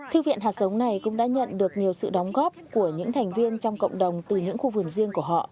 thư viện hạt sống này cũng đã nhận được nhiều sự đóng góp của những thành viên trong cộng đồng từ những khu vườn riêng của họ